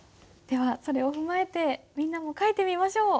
ではそれを踏まえてみんなも書いてみましょう。